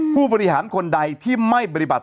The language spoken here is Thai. ผู้บริหารคนใดที่ไม่ปฏิบัติ